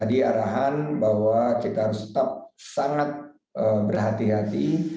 jadi arahan bahwa kita harus tetap sangat berhati hati